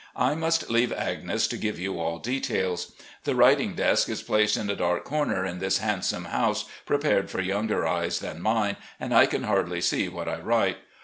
I must leave Agnes to give you all details. The writing desk is placed in a dark comer in this handsome house, prepared for younger eyes than mine, and I can hardly see what I write.